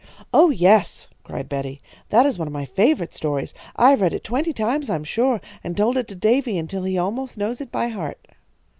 "Oh, yes!" cried Betty. "That is one of my favourite stories. I have read it twenty times, I am sure, and told it to Davy until he almost knows it by heart."